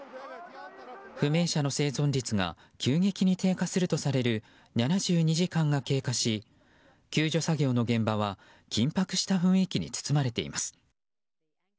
不明者の生存率が急激に低下するとされる７２時間が経過し救助作業の現場は緊迫した雰囲気に包まれています。